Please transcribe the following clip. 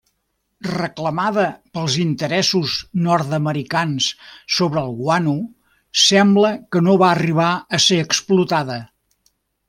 Reclamada pels interessos nord-americans sobre el guano, sembla que no va arribar a ser explotada.